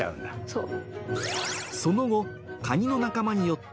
そう。